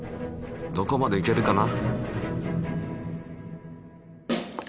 どこまで行けるかな？